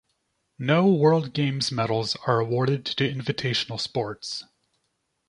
No World Games medals are awarded to invitational sports.